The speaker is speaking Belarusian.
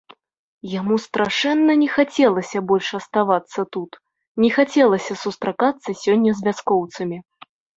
Яму страшэнна не хацелася больш аставацца тут, не хацелася сустракацца сёння з вяскоўцамі.